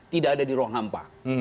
tidak ada di ruang hampa